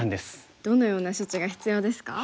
どのような処置が必要ですか？